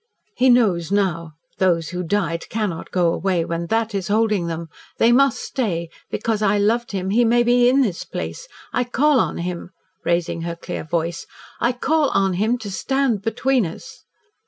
He knows now. Those who died cannot go away when THAT is holding them. They must stay. Because I loved him, he may be in this place. I call on him " raising her clear voice. "I call on him to stand between us."